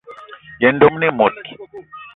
Yen dom le moní.